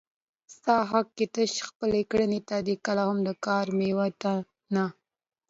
ستا حق تش خپل کړنې ته دی کله هم د کار مېوې ته نه